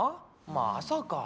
まさか。